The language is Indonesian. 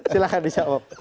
silahkan bisa om